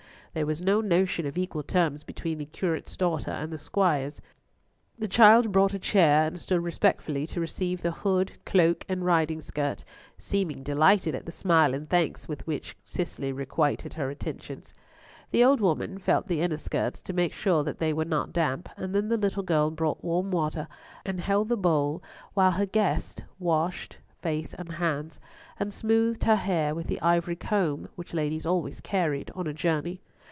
There was no notion of equal terms between the Curate's daughter and the Squire's: the child brought a chair, and stood respectfully to receive the hood, cloak, and riding skirt, seeming delighted at the smile and thanks with which Cicely requited her attentions. The old woman felt the inner skirts, to make sure that they were not damp, and then the little girl brought warm water, and held the bowl while her guest washed face and hands, and smoothed her hair with the ivory comb which ladies always carried on a journey.